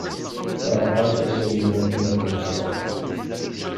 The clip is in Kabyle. Terɣa tasa-inu akken ad ken-ẓreɣ.